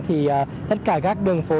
thì tất cả các đường phố